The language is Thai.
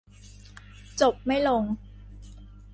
จบไม่ลง